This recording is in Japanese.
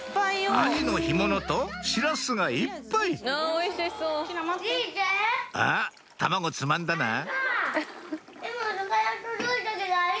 アジの干物とシラスがいっぱいあっ卵つまんだなぁ